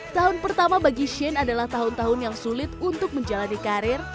tahun pertama bagi shane adalah tahun tahun yang sulit untuk menjalani karir